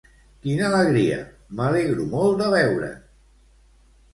Quina alegria, m'alegro molt de veure't!